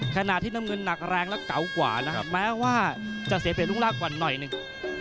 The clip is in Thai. ขณะที่น้ำเงินหนักแรงและเก่ากว่านะครับแม้ว่าจะเสียเปลี่ยนรุ่งรากกว่าหน่อยหนึ่ง